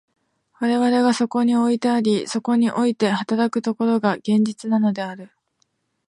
我々がそこにおいてあり、そこにおいて働く所が、現実なのである。